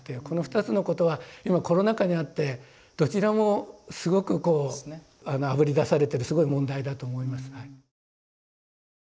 この二つのことは今コロナ禍にあってどちらもすごくこうあぶり出されてるすごい問題だと思います。